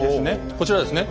こちらですね